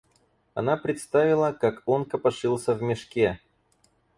Она представила, как он копошился в мешке.